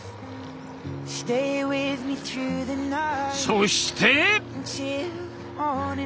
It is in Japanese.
そして！